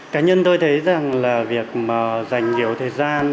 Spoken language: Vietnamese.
cá nhân tôi thấy rằng là việc mà dành nhiều thời gian